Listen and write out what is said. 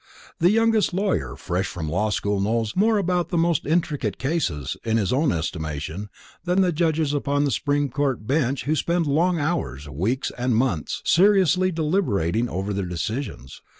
The youngest lawyer, fresh from law school knows more about the most intricate cases, in his own estimation, than the judges upon the Supreme Court bench who spend long hours, weeks and months, seriously deliberating over their decisions.